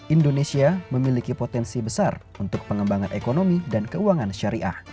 indonesia memiliki potensi besar untuk pengembangan ekonomi dan keuangan syariah